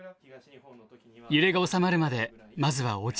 揺れが収まるまでまずは落ち着いて身を守ります。